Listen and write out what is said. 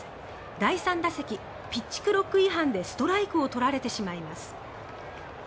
第３打席ピッチクロック違反でストライクを取られてしまいます。